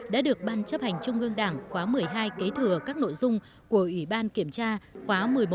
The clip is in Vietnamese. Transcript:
đã được ban chấp hành trung ương đảng khóa một mươi hai kế thừa các nội dung của ủy ban kiểm tra khóa một mươi bốn